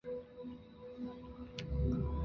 赫希斯特是德国黑森州的一个市镇。